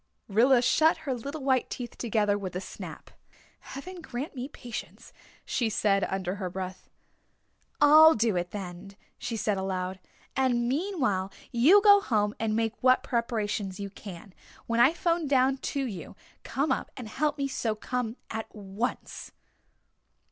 Rilla shut her little white teeth together with a snap. "Heaven grant me patience," she said under her breath. "I'll do it then," she said aloud, "and meanwhile, you go home and make what preparations you can. When I 'phone down to you to come up and help me sew come at once."